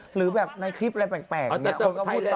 หรือแบบในคลิปอะไรแปลก